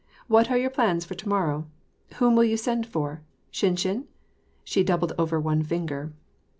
" What are your plans for to morrow ? Whom will you send for ? Shinshin ?" She doubled over one finger.